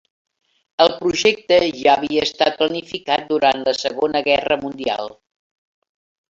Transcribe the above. El projecte ja havia estat planificat durant la Segona Guerra Mundial.